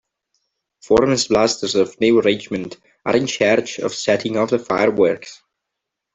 Forman's Blasters, of New Richmond, are in charge of setting off the fireworks.